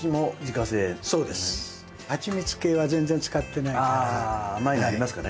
はちみつ系は全然使ってないから。